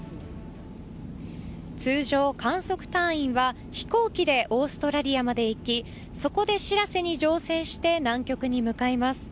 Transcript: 通常、観測隊員は飛行機でオーストラリアまで行きそこで「しらせ」に乗船して南極に向かいます。